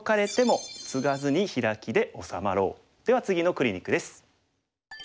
では次のクリニックです。